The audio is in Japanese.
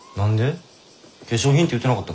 化粧品って言ってなかったっけ？